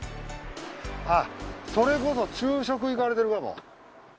あっそれこそ昼食行かれてるかも。